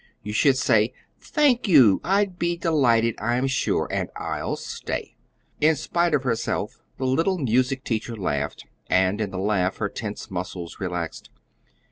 "You should say, 'Thank you, I'd be delighted, I'm sure, and I'll stay.'" In spite of herself the little music teacher laughed, and in the laugh her tense muscles relaxed.